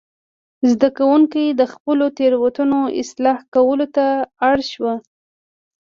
زده کوونکي د خپلو تېروتنو اصلاح کولو ته اړ شوي وو.